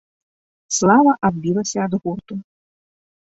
Слава адбілася ад гурту.